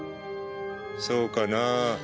そうかなあ？